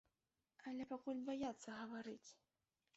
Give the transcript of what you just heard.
Але пакуль баяцца гаварыць.